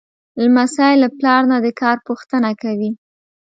لمسی له پلار نه د کار پوښتنه کوي.